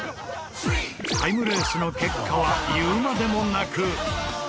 タイムレースの結果は言うまでもなく。